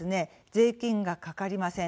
税金がかかりません。